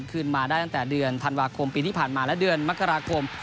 คืนมาได้ตั้งแต่เดือนธันวาคมปีที่ผ่านมาและเดือนมกราคม